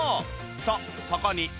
とそこに